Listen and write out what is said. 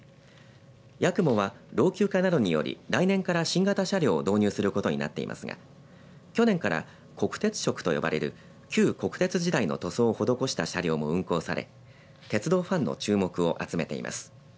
やくもは老朽化などにより来年から新型車両を導入することになっていますが去年から国鉄色と呼ばれる旧国鉄時代の塗装を施した車両も運行され鉄道ファンの注目を集めています。